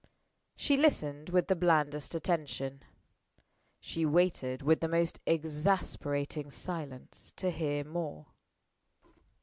She listened with the blandest attention. She waited with the most exasperating silence to hear more.